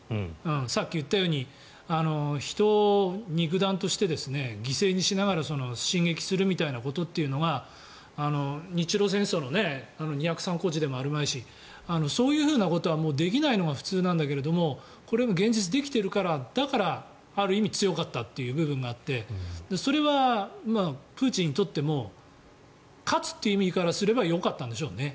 さっき言ったように人を肉弾として犠牲にしながら進撃するみたいなことというのは日露戦争の２０３高地でもあるまいしそういうふうなことはできないのが普通なんだけどこれが現実、できているからだからある意味強かったという部分があってそれはプーチンにとっても勝つという意味からすればよかったんでしょうね。